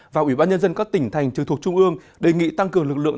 và ủy ban nhân dân các tỉnh thành trường thuộc trung ương đề nghị tăng cường lực lượng